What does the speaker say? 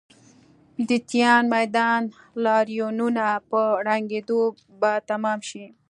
د تیان میدان لاریونونه په ړنګېدو به تمام شي.